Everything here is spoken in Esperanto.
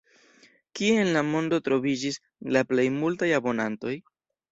Kie en la mondo troviĝis la plej multaj abonantoj?